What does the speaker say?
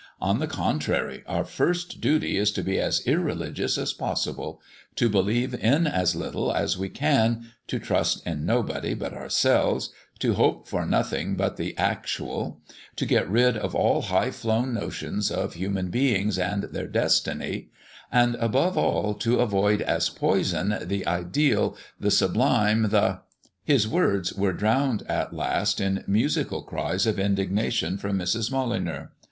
On the contrary, our first duty is to be as irreligious as possible to believe in as little as we can, to trust in nobody but ourselves, to hope for nothing but the actual, to get rid of all high flown notions of human beings and their destiny, and, above all, to avoid as poison the ideal, the sublime, the " His words were drowned at last in musical cries of indignation from Mrs. Molyneux.